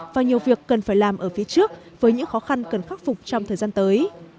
và nhiều việc cần phải làm ở phía trước với những khó khăn cần khắc phục trong thời gian tới